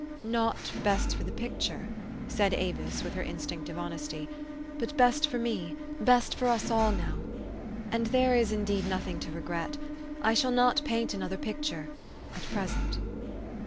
"" Not best for the picture " said Avis, with her instinctive honesty, "but best forme, best for us all now. And there is indeed nothing to regret. I shall not paint another picture at present."